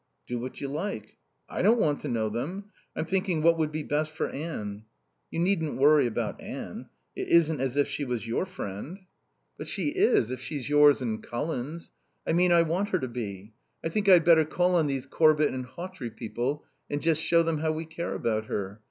"Do what you like." "I don't want to know them. I'm thinking what would be best for Anne." "You needn't worry about Anne. It isn't as if she was your friend." "But she is if she's yours and Colin's. I mean I want her to be.... I think I'd better call on these Corbett and Hawtrey people and just show them how we care about her.